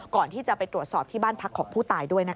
ก่อนที่จะไปตรวจสอบที่บ้านพักของผู้ตายด้วยนะคะ